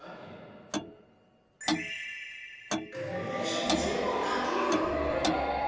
肘をかける。